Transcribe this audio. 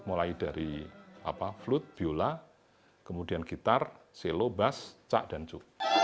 mulai dari flut viola kemudian gitar selo bas cak dan cu